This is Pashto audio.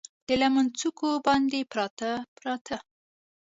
د لمن څوکو باندې، پراته، پراته